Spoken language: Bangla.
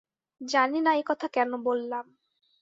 জানি না একথা কেন বললাম।